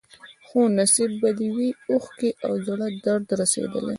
خو نصیب به دي وي اوښکي او د زړه درد رسېدلی